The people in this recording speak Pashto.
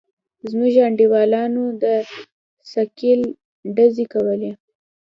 زموږ انډيوالانو د ثقيل ډزې کولې.